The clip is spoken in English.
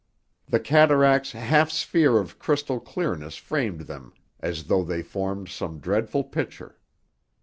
The cataract's half sphere of crystal clearness framed them as though they formed some dreadful picture.